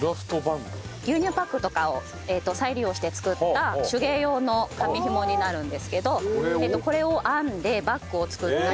牛乳パックとかを再利用して作った手芸用の紙紐になるんですけどこれを編んでバッグを作ったり。